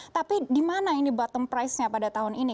tapi di mana ini bottom price nya pada tahun ini